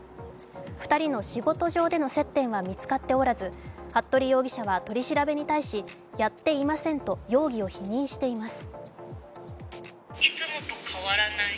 ２人の仕事上での接点は見つかっておらず、服部容疑者は取り調べに対し、やっていませんと容疑を否認しています。